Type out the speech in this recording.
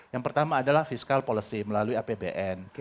yang pertama adalah fiskal policy melalui apbn